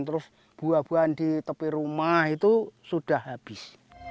terus buah buahan di tepi rumah itu sudah habis